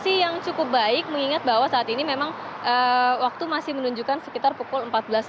kondisi yang cukup baik mengingat bahwa saat ini memang waktu masih menunjukkan sekitar pukul empat belas lima puluh